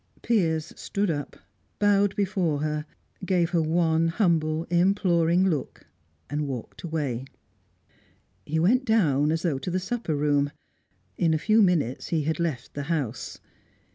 Piers stood up, bowed before her, gave her one humble, imploring look, and walked away. He went down, as though to the supper room; in a few minutes, he had left the house.